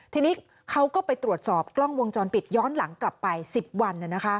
ทีนี้เขาก็ไปตรวจสอบกล้องวงจรปิดย้อนหลังกลับไป๑๐วัน